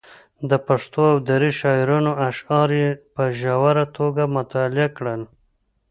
د پښتو او دري شاعرانو اشعار یې په ژوره توګه مطالعه کړل.